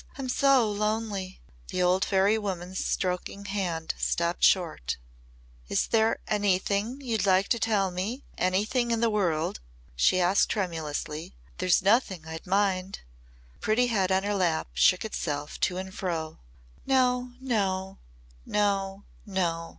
"I'm so lonely!" The old fairy woman's stroking hand stopped short. "Is there anything you'd like to tell me anything in the world?" she asked tremulously. "There's nothing I'd mind." The pretty head on her lap shook itself to and fro. "No! No! No! No!"